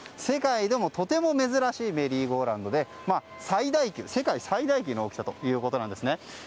世界でもとても珍しいメリーゴーラウンドで世界最大級の大きさということです。